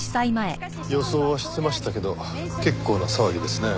予想はしてましたけど結構な騒ぎですね。